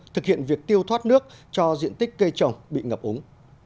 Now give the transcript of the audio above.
thực hiện việc tiêu thoát nước cho diện tích cây trồng bị ngập úng